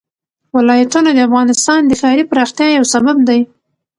ولایتونه د افغانستان د ښاري پراختیا یو سبب دی.